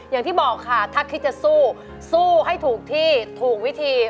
อย่างที่บอกค่ะถ้าคิดจะสู้สู้ให้ถูกที่ถูกวิธี